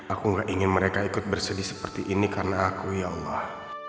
aku gak ingin mereka ikut bersedih seperti ini karena aku ya allah